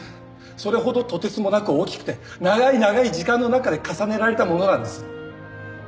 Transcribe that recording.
それほどとてつもなく大きくて長い長い時間の中で重ねられたものなんです。